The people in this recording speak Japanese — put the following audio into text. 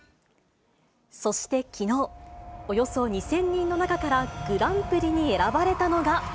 そしてきのう、およそ２０００人の中からグランプリに選ばれたのが。